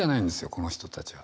この人たちは。